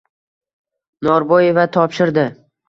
Norboeva topshirdi